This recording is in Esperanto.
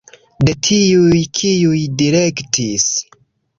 De tiuj, kiuj direktis.